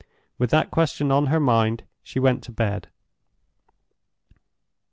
With that question on her mind, she went to bed.